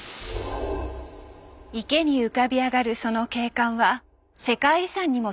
池に浮かび上がるその景観は世界遺産にも登録されています。